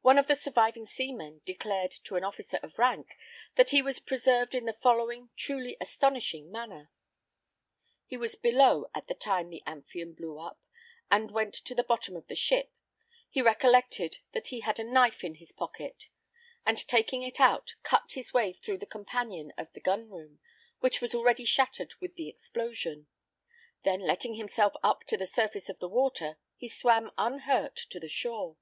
One of the surviving seamen declared to an officer of rank, that he was preserved in the following truly astonishing manner: He was below at the time the Amphion blew up, and went to the bottom of the ship, he recollected that he had a knife in his pocket, and taking it out, cut his way through the companion of the gun room, which was already shattered with the explosion; then letting himself up to the surface of the water, he swam unhurt to the shore.